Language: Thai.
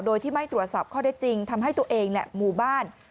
โดยที่ไม่ตรวจสอบข้อได้จริงทำให้ตัวเองและหมู่บ้าน